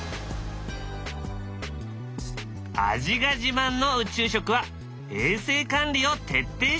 味が自慢の宇宙食は衛生管理を徹底していた。